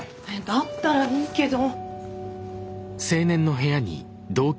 だったらいいけど。